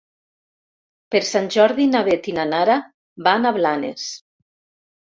Per Sant Jordi na Beth i na Nara van a Blanes.